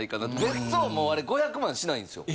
別荘もあれ５００万しないんですよ。